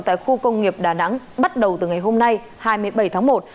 tại khu công nghiệp đà nẵng bắt đầu từ ngày hôm nay hai mươi bảy tháng một